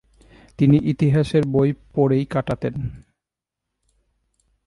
তিনি ইতিহাসের বই পড়েই কাটাতেন।